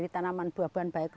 tanaman buah buahan baik